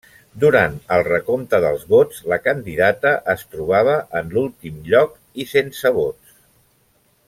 Durant el recompte dels vots, la candidata es trobava en l'últim lloc i sense vots.